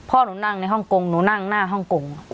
พ่อหนูนั่งในฮ่องกงหนูนั่งหน้าฮ่องกง